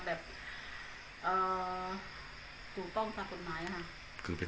คือเป็นยุ้มการปรุดหมาย